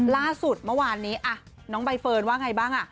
ล่าสุดเมื่อวานนี้น้องใบเฟิร์นว่าไงบ้าง